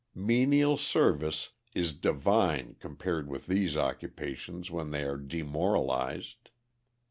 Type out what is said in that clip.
"Menial service" is divine compared with these occupations when they are demoralized.